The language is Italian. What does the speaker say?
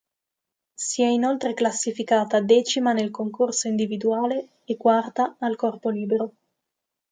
Si è inoltre classificata decima nel concorso individuale e quarta al corpo libero.